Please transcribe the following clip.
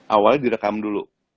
awalnya direkam dulu